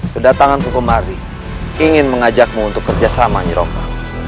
kedatangan tunggu mardi ingin mengajakmu untuk kerjasama nyropa